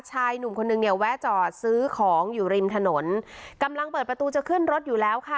ชายหนุ่มคนนึงเนี่ยแวะจอดซื้อของอยู่ริมถนนกำลังเปิดประตูจะขึ้นรถอยู่แล้วค่ะ